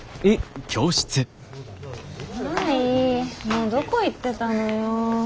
もうどこ行ってたのよ。